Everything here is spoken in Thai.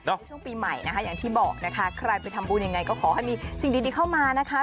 ในช่วงปีใหม่นะคะอย่างที่บอกนะคะใครไปทำบุญยังไงก็ขอให้มีสิ่งดีเข้ามานะคะ